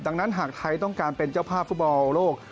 ดังนั้นหากไทยต้องการเป็นเจ้าภาพฟุตบอลโลก